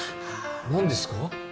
何ですか？